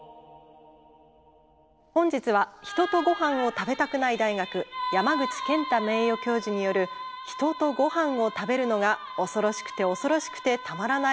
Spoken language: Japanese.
本日は人とご飯を食べたくない大学山口健太名誉教授による「人とご飯を食べるのが恐ろしくて恐ろしくてたまらない